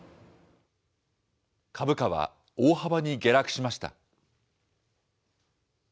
株価は大幅に下落しました。